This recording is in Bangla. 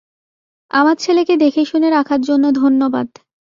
আমার ছেলেকে দেখেশুনে রাখার জন্য ধন্যবাদ।